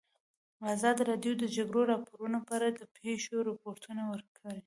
ازادي راډیو د د جګړې راپورونه په اړه د پېښو رپوټونه ورکړي.